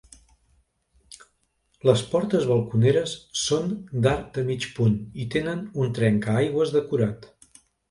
Les portes balconeres són d'arc de mig punt i tenen un trencaaigües decorat.